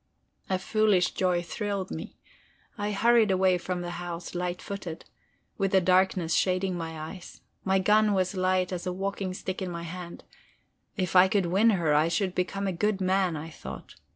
A foolish joy thrilled me; I hurried away from the house light footed, with a darkness shading my eyes; my gun was light as a walking stick in my hand. If I could win her, I should become a good man, I thought.